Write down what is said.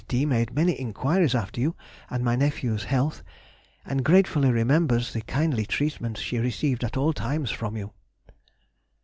D. made many inquiries after you and my nephew's health, and gratefully remembers the kindly treatment she received at all times from you.